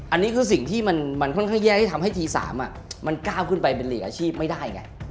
อันนี้คือสิ่งที่มันค่อนข้างแย่ที่ทำให้ที๓มันก้าวขึ้นไปเป็นหลีกอาชีพไม่ได้ไง